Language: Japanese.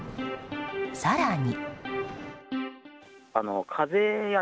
更に。